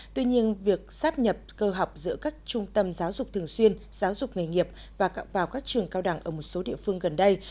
tuy nhiên việc sáp nhập cơ học giữa các trung tâm giáo dục thường xuyên giáo dục nghề nghiệp và cạo vào các trường cao đẳng ở một số địa phương gần đây